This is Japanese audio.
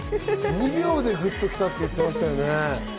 ２秒でグッときたと言ってましたね。